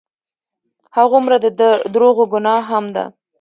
هغومره د دروغو ګناه هم ده.